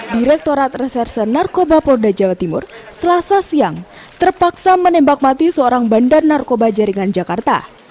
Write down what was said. direktorat reserse narkoba polda jawa timur selasa siang terpaksa menembak mati seorang bandar narkoba jaringan jakarta